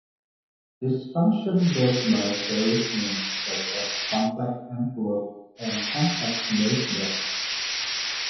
This function goes by various names, such as "complex envelope" and "complex baseband".